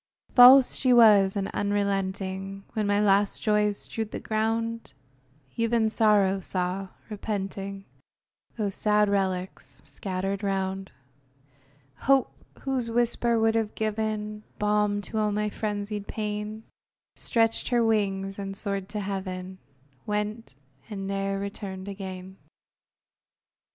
False she was, and unrelenting; When my last joys strewed the ground, Even Sorrow saw, repenting, Those sad relics scattered round; Hope, whose whisper would have given Balm to all my frenzied pain, Stretched her wings, and soared to heaven, Went, and ne'er returned again!